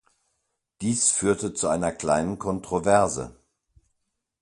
Dies führte zu einer kleinen Kontroverse.